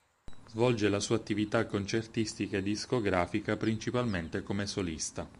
Svolge la sua attività concertistica e discografica principalmente come solista.